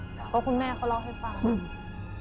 เพราะคุณแม่เขาเล่าให้ฟังอืม